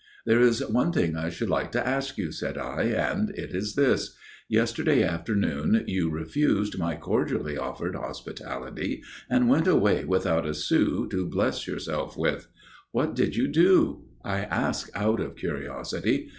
"There is one thing I should like to ask you," said I, "and it is this. Yesterday afternoon you refused my cordially offered hospitality, and went away without a sou to bless yourself with. What did you do? I ask out of curiosity.